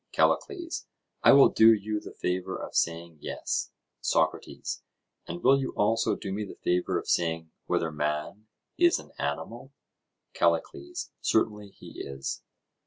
CALLICLES: I will do you the favour of saying "yes." SOCRATES: And will you also do me the favour of saying whether man is an animal? CALLICLES: Certainly he is.